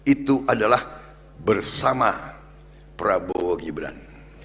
itu adalah bersama prabowo gibran